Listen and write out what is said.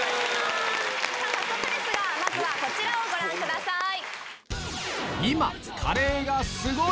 早速ですがまずはこちらをご覧ください。